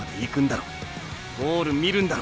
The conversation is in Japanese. ゴール見るんだろ。